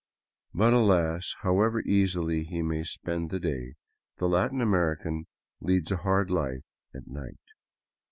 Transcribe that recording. But alas, however easily he may spend the day, the Latin American leads a hard life at night.